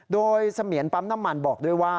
โดยเสมียนปั๊มน้ำมันบอกด้วยว่า